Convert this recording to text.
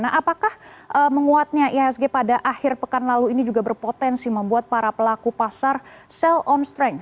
nah apakah menguatnya ihsg pada akhir pekan lalu ini juga berpotensi membuat para pelaku pasar sell on strength